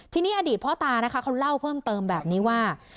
ทีนี้อดีตพ่อตานะคะเขาเล่าเพิ่มเติมแบบนี้ว่า